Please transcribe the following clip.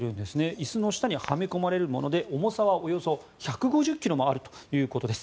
椅子の下にはめ込まれるもので重さはおよそ１５０ｋｇもあるということです。